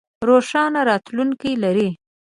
روښانه راتلوونکې لرئ